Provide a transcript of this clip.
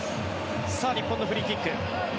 さあ、日本のフリーキック。